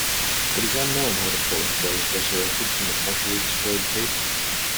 It is unknown how the full intro was resurrected from the partially destroyed tape.